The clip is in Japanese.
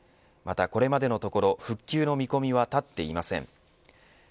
またこれまでのところ復旧の見込みは立っていません。